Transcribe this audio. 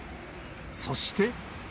そして。